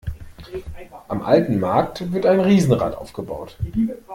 Am alten Markt wird ein Riesenrad aufgebaut.